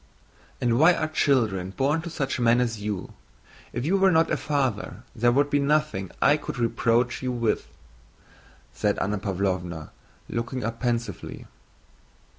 "And why are children born to such men as you? If you were not a father there would be nothing I could reproach you with," said Anna Pávlovna, looking up pensively.